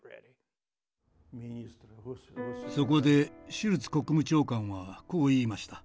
そこでシュルツ国務長官はこう言いました。